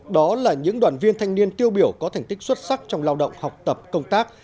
đó là những đoàn viên thanh niên tiêu biểu có thành tích xuất sắc trong lao động học tập công tác